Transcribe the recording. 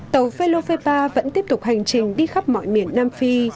tàu felofepa vẫn tiếp tục hành trình đi khắp mọi miền nam phi